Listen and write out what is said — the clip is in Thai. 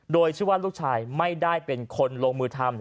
โดยชื่อว่าลูกชายไม่ได้เป็นคนลงมือทำ